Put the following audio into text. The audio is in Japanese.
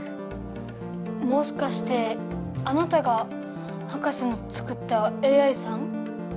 もしかしてあなたが博士の作ったＡＩさん？